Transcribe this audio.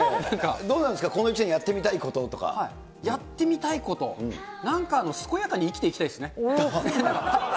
どうなんですか、この１年、やってみたいこと、なんか健やかに生きていきたいですね。